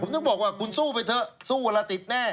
ผมถึงบอกว่าคุณสู้ไปเถอะสู้เวลาติดแน่